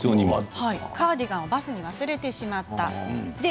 カーディガンをバスに忘れてしまった。